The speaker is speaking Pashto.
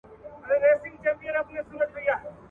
دا پلان د هېواد په اقتصادي شورا کي تصويب سو.